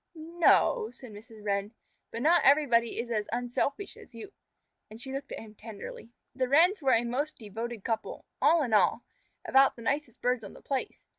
"N no," said Mrs. Wren, "but not everybody is as unselfish as you." And she looked at him tenderly. The Wrens were a most devoted couple, all in all, about the nicest birds on the place.